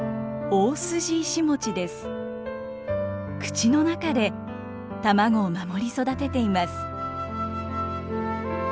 口の中で卵を守り育てています。